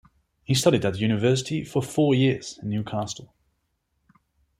He studied at university for four years in Newcastle.